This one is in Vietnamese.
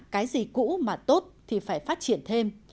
cái gì cũ mà tốt thì phải phát triển thêm